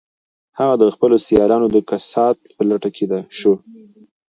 هغه د خپلو سیالانو د کسات په لټه کې شو